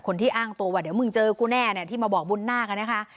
คนที่อ้างตัวว่าเดี๋ยวมึงเจอกูแน่ที่มาบอกบุญนาคนะคะ